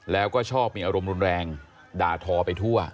แล้วก็ชอบมีอารมณ์รุนแรงด่าทอไปทั่ว